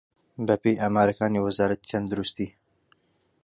بەپێی ئامارەکانی وەزارەتی تەندروستی